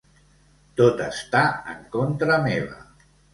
Tot està en contra meva.